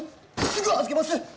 すぐ預けます！